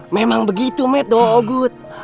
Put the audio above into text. memang begitu met doa agut